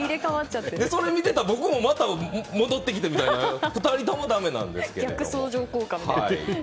それを見てたら僕もまた戻ってきてみたいな２人ともだめなんですよ。